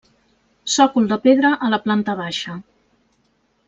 Sòcol de pedra a la planta baixa.